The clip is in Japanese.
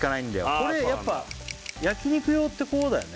これやっぱ焼肉用ってこうだよね